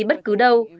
bất cứ đâu